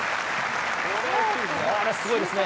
これはすごいですね。